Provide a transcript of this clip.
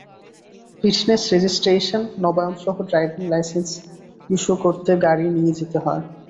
Fitness, registration নবায়নসহ driving licence issue করতে গাড়ি নিয়ে যেতে হয়।